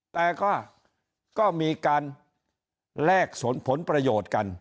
แต่ก็มีการแลกสนผลประโยชน์กัน